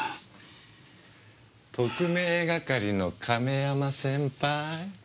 特命係の亀山先輩。